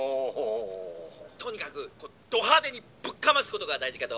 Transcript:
「とにかくど派手にぶっかますことが大事かと。